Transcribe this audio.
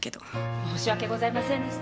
申し訳ございませんでした。